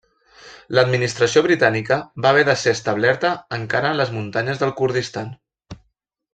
L'administració britànica va haver de ser establerta encara en les muntanyes del Kurdistan.